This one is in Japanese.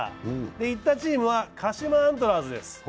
行ったチームは鹿島アントラーズです。